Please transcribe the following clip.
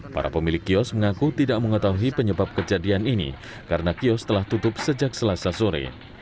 para pemilik kios mengaku tidak mengetahui penyebab kejadian ini karena kios telah tutup sejak selasa sore